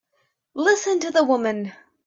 Listen to the woman!